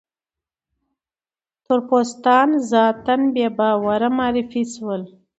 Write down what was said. تور پوستان ذاتاً بې باوره معرفي شول.